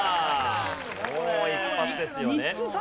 もう一発ですよね。